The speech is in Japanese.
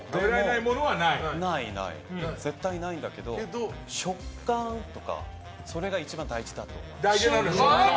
絶対ないんだけど食感とかそれが一番大事だと思う。